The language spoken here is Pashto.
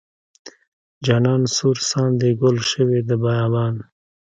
جانان سور ساندې ګل شوې د بیابان.